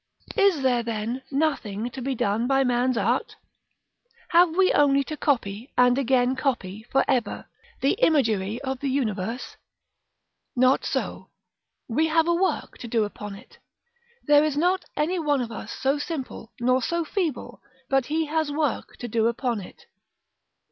Is there, then, nothing to be done by man's art? Have we only to copy, and again copy, for ever, the imagery of the universe? Not so. We have work to do upon it; there is not any one of us so simple, nor so feeble, but he has work to do upon it.